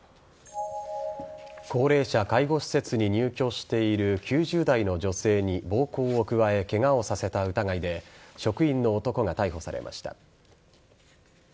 高齢者介護施設に入居している９０代の女性に暴行を加えケガをさせた疑いで職員の男が逮捕されました。